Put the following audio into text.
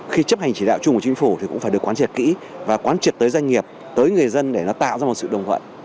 khi chấp hành chỉ đạo chung của chính phủ thì cũng phải được quán triệt kỹ và quán triệt tới doanh nghiệp tới người dân để nó tạo ra một sự đồng thuận